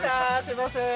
すいません